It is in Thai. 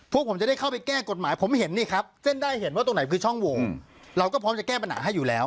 พวกผมจะได้เข้าไปแก้กฎหมายผมเห็นตรงไหนเป็นช่องวงเราก็พร้อมให้แก้ปัญหาให้อยู่แล้ว